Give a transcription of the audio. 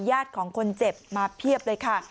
ญาติของคนเจ็บมาเพียบเลยค่ะ